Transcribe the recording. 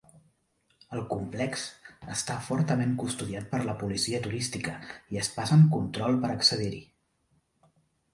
El complex està fortament custodiat per la policia turística i es passen control per accedir-hi.